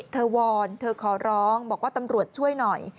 วอนเธอขอร้องบอกว่าตำรวจช่วยหน่อย